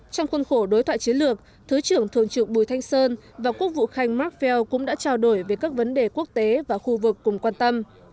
trong khuôn khổ đối thoại chiến lược thứ trưởng thượng trưởng bùi thanh sơn và quốc vụ khanh mark vell cũng đã trao đổi về các vấn đề quốc tế và khu vực cùng quan tâm